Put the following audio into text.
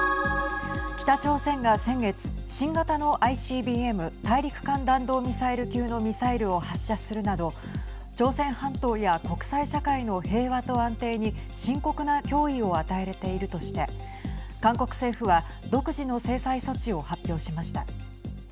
北朝鮮が先月新型のＩＣＢＭ＝大陸間弾道ミサイル級のミサイルを発射するなど朝鮮半島や国際社会の平和と安定に深刻な脅威を与えているとして韓国政府は独自の制裁措置を発表しました。